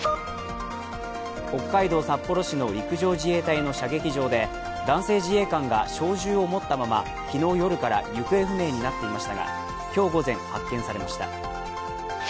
北海道札幌市の陸上自衛隊の射撃場で男性自衛官が小銃を持ったまま昨日夜から行方不明になっていましたが今日午前、発見されました。